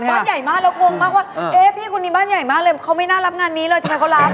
บ้านใหญ่มากแล้วงงมากว่าเอ๊ะพี่คนนี้บ้านใหญ่มากเลยเขาไม่น่ารับงานนี้เลยทำไมเขารับ